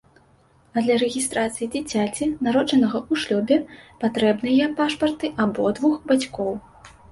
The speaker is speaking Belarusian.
А для рэгістрацыі дзіцяці, народжанага ў шлюбе, патрэбныя пашпарты абодвух бацькоў.